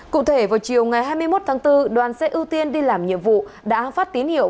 cụ thể vào chiều ngày hai mươi một tháng bốn đoàn xe ưu tiên đi làm nhiệm vụ đã phát tín hiệu